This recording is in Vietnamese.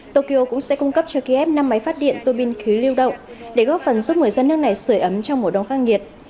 tokyo cũng sẽ cung cấp cho kiev năm máy phát điện tô bin khí lưu động để góp phần giúp người dân nước này sửa ấm trong mùa đông khắc nghiệt